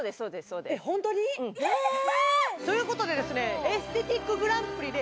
うんということでですね